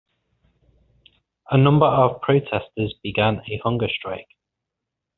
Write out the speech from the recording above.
A number of protesters began a hunger strike.